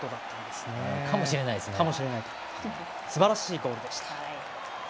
すばらしいゴールでした。